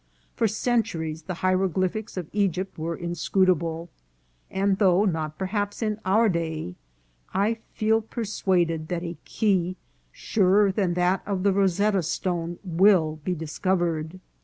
For centuries the hieroglyphics of Egypt were inscrutable, and, though not perhaps in our day, I feel persuaded that a key surer than that of the Rosetta stone will be discovered.